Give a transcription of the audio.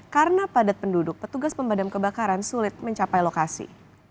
karena padat penduduk petugas pemadam kebakaran sulit mencapai lokasi